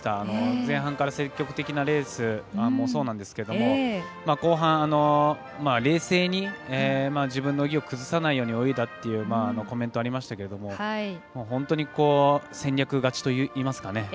前半から積極的なレースもそうなんですけど後半、冷静に自分の泳ぎを崩さないように泳いだっていうコメントありましたけど本当に戦略勝ちといいますかね。